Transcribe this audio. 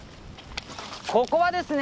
ここはですね